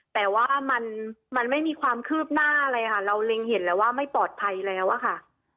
แต่ว่ามันไม่มีความคืบหน้าอะไรค่ะเราเล็งเห็นแล้วว่าไม่ปลอดภัยแล้วอะค่ะ